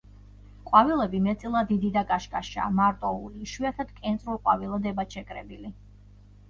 ყვავილები მეტწილად დიდი და კაშკაშაა, მარტოული, იშვიათად კენწრულ ყვავილედებად შეკრებილი.